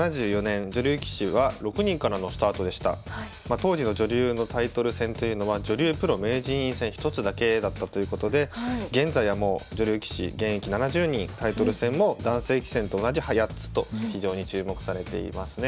当時の女流のタイトル戦というのは女流プロ名人位戦１つだけだったということで現在はもう女流棋士現役７０人タイトル戦も男性棋戦と同じ８つと非常に注目されていますね。